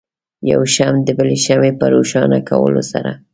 یو شمع د بلې شمعې په روښانه کولو سره.